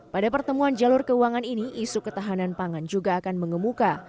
pada pertemuan jalur keuangan ini isu ketahanan pangan juga akan mengemuka